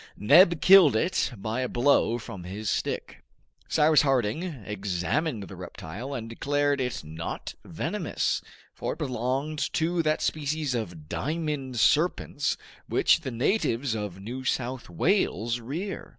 Neb killed it by a blow from his stick. Cyrus Harding examined the reptile, and declared it not venomous, for it belonged to that species of diamond serpents which the natives of New South Wales rear.